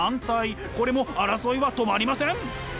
これも争いは止まりません。